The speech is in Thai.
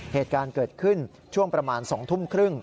เหตุการณ์เกิดขึ้นช่วงประมาณ๒ทุ่มครึ่ง